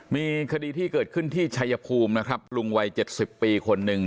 มีคดีที่เกิดขึ้นที่ชัยภูมินะครับลุงวัย๗๐ปีคนหนึ่ง